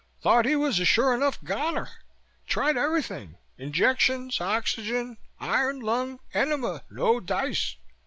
Thought he was a sure enough goner. Tried everything: injections, oxygen, iron lung, enema. No dice.